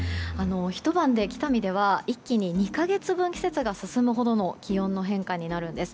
ひと晩で北見では一気に２か月分季節が進むほどの気温の変化になるんです。